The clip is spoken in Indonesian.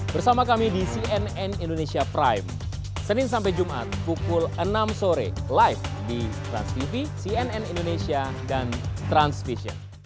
bersama kami di cnn indonesia prime senin sampai jumat pukul enam sore live di transtv cnn indonesia dan transvision